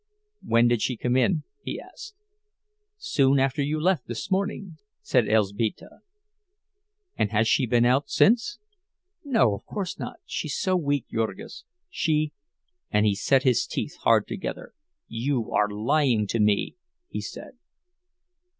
"When did she come in?" he asked. "Soon after you left this morning," said Elzbieta. "And has she been out since?" "No, of course not. She's so weak, Jurgis, she—" And he set his teeth hard together. "You are lying to me," he said.